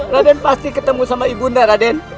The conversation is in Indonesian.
raden pasti ketemu sama ibu undah raden